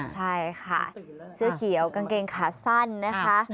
ใช่ค่ะเสื้อเขียวกางเกงขาสั้นนะคะ